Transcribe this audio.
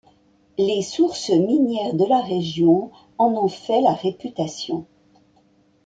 Les ressources minières de la région en ont fait la réputation.